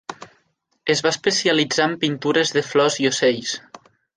Es va especialitzar en pintures de flors i ocells.